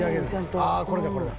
ああこれだこれだ。